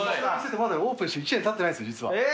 まだオープンして１年たってないんです実は。